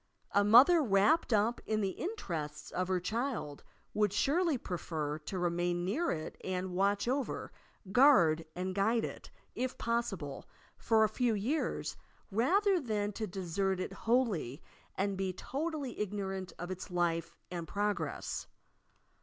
A mother, wrapped up in the interests of her child, would surely prefer to remain near it and watch over, guard and guide it, if possible, tor a few years rather than to desert it wholly and be totally igno rant of its life and progress.